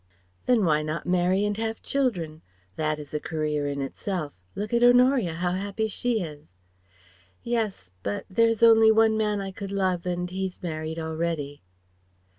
"Then why not marry and have children? That is a career in itself. Look at Honoria, how happy she is." "Yes but there is only one man I could love, and he's married already."